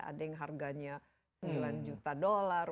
ada yang harganya sembilan juta dolar